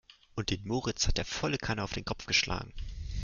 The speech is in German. Und den Moritz hat er volle Kanne auf den Kopf geschlagen.